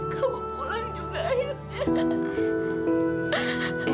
kamu pulang juga akhirnya